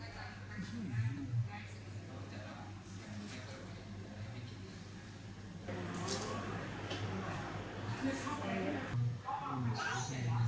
เอาไปลงขาวก็คิดว่าให้หมอถามกันหน่อยเนอะ